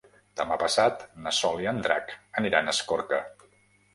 Demà passat na Sol i en Drac aniran a Escorca.